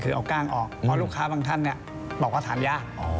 คือเอากล้างออกเพราะลูกค้าบางท่านบอกว่าทานยาก